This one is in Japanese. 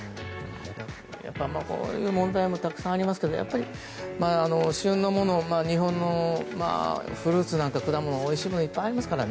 やっぱりこういう問題たくさんありますが旬のものを日本のフルーツなんかおいしいものいっぱいありますから。